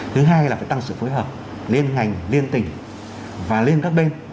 thứ hai là phải tăng sự phối hợp liên ngành liên tỉnh và lên các bên